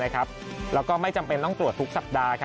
แล้วก็ไม่จำเป็นต้องตรวจทุกสัปดาห์